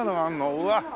うわっ！